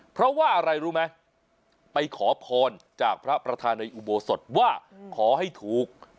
เพราะว่าอะไรรู้ไหมไปขอพรจากพระประธานในอุโบสถว่าขอให้ถูก